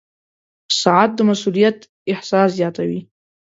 • ساعت د مسؤولیت احساس زیاتوي.